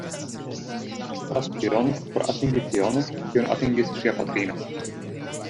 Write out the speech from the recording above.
Ŝi faras ĉion por atingi tion, kion atingis ŝia patrino.